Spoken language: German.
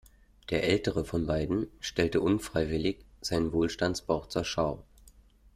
Der ältere von beiden stellte unfreiwillig seinen Wohlstandsbauch zur Schau.